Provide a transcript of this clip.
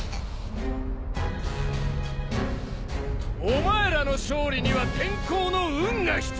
お前らの勝利には天候の運が必要だ。